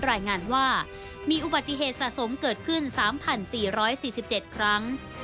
รายงานว่ามีอุบัติเหตุสะสมเกิดขึ้น๓๔๔๗ครั้ง